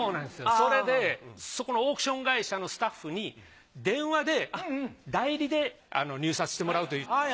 それでそこのオークション会社のスタッフに電話で代理で入札してもらうという。